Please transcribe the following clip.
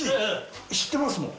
知ってますもん！